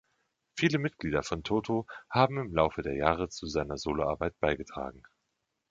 Viele Mitglieder von Toto haben im Laufe der Jahre zu seiner Soloarbeit beigetragen.